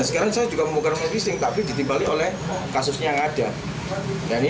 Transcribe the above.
sekarang saya juga membongkar match fixing tapi ditimbali oleh kasusnya yang ada